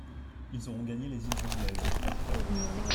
Ils auront gagné les îles anglaises, ajouta Keinec.